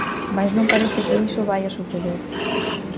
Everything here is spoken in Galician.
Mais non parece que iso vaia suceder.